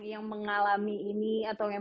yang mengalami ini atau yang